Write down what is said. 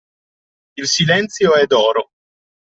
Il silenzio è d'oro.